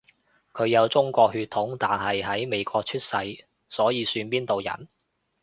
佢有中國血統，但係喺美國出世，所以算邊度人？